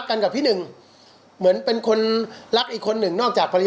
เธอก็แก้ตัวให้บิ๊กโจ๊กด้วย